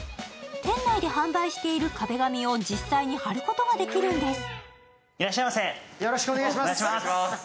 店内で販売している壁紙を実際に貼ることができるんです。